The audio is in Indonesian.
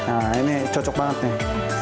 nah ini cocok banget nih